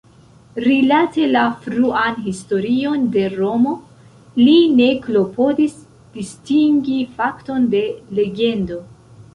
Rilate la fruan historion de Romo, li ne klopodis distingi fakton de legendo.